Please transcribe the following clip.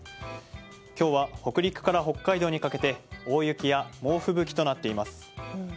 今日は北陸から北海道にかけて大雪や猛吹雪となっています。